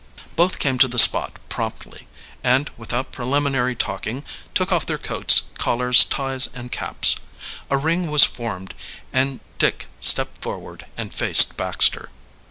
Both came to the spot promptly, and, without preliminary talking, took off their coats, collars, ties, and caps. A ring was formed, and Dick stepped forward and faced Baxter.